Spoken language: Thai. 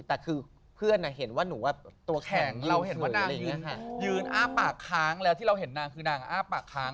แต่คือเพื่อนเห็นว่าหนูตัวแข็งเราเห็นว่านางยืนอ้าปากค้างแล้วที่เราเห็นนางคือนางอ้าปากค้าง